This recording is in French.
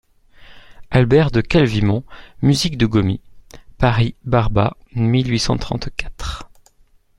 Albert de Calvimont, musique de Gomis (Paris, Barba, mille huit cent trente-quatre.